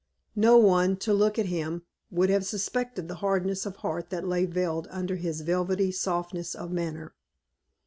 No one, to look at him, would have suspected the hardness of heart that lay veiled under his velvety softness of manner.